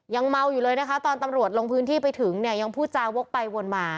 ยังเมาอยู่เลยนะคะตอนตำรวจลงพื้นที่ไปถึงเนี่ยยังพูดจาวกไปวนมา